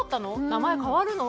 名前変わるの？